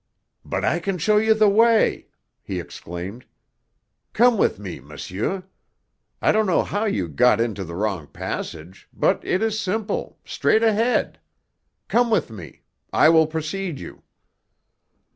"But I can show you the way," he exclaimed. "Come with me, monsieur. I don't know how you got into the wrong passage, but it is simple straight ahead. Come with me! I will precede you."